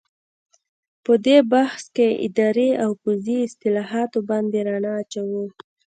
په دې بحث کې اداري او پوځي اصلاحاتو باندې رڼا اچوو.